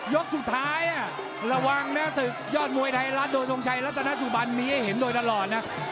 ยกสุดท้ายระวังนะศึกยอดมวยไทยรัฐโดยทรงชัยรัตนสุบันมีให้เห็นโดยตลอดนะ